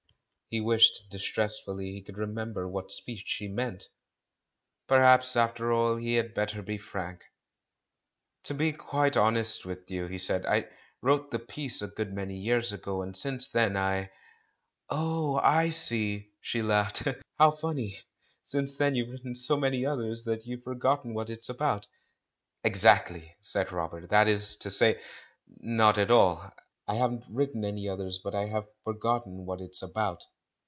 He wished distressfully he could remember what speech she meant. Perhaps, after all, he had better be frank! "To be quite honest with you," he said, "I wrote the piece a good many years ago; and since then I " "Oh, I see!" she laughed. "How funny! Since then j^ouVe written so many others that you've forgotten what it's about?" "Exactly," said Robert; "that is to say, not at all. I haven't written any others, but I have for gotten what it's about."